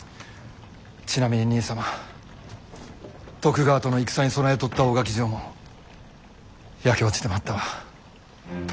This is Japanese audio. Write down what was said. ちなみに兄様徳川との戦に備えとった大垣城も焼け落ちてまったわ。